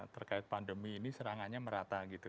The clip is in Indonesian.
terkait pandemi ini serangannya merata gitu